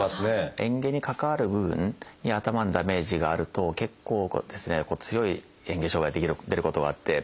えん下に関わる部分に頭にダメージがあると結構強いえん下障害が出ることがあって。